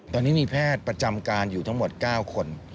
ตอนนี้มีแพทย์ประจำการอยู่ทั้งหมด๙คน